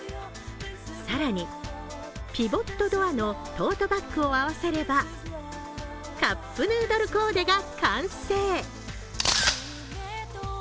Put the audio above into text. さらにＰＩＶＯＴＤＯＯＲのトートバッグを合わせればカップヌードルコーデが完成。